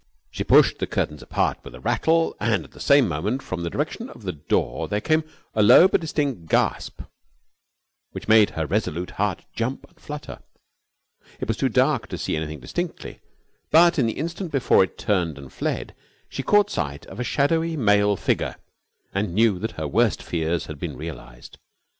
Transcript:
She pushed the curtains apart with a rattle and, at the same moment, from the direction of the door there came a low but distinct gasp which made her resolute heart jump and flutter. It was too dark to see anything distinctly, but, in the instant before it turned and fled, she caught sight of a shadowy male figure, and knew that her worst fears had been realised.